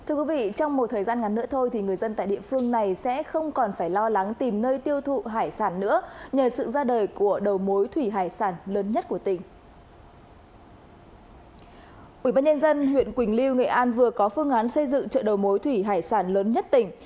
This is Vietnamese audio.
ubnd huyện quỳnh lưu nghệ an vừa có phương án xây dựng chợ đầu mối thủy hải sản lớn nhất tỉnh